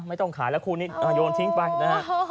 ไม่ต้องขายแล้วคู่นี้โยนทิ้งไปนะฮะ